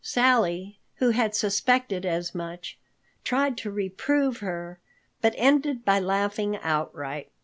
Sally, who had suspected as much, tried to reprove her, but ended by laughing outright.